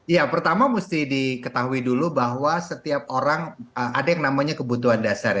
ya pertama mesti diketahui dulu bahwa setiap orang ada yang namanya kebutuhan dasar